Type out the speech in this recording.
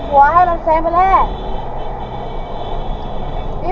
หัวให้มันแซงไปเลย